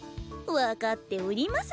分かっておりますの。